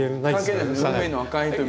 はい。